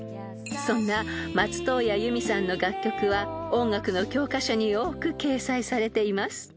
［そんな松任谷由実さんの楽曲は音楽の教科書に多く掲載されています］